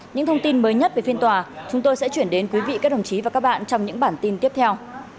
những thông tin mới nhất về phiên tòa chúng tôi sẽ chuyển đến quý vị các đồng chí và các bạn trong những bản tin tiếp theo